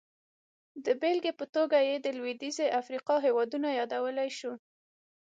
د بېلګې په توګه یې د لوېدیځې افریقا هېوادونه یادولی شو.